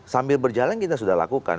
sambil berjalan kita sudah lakukan